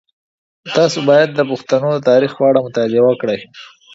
تاسو باید د پښتنو د تاریخ په اړه مطالعه وکړئ.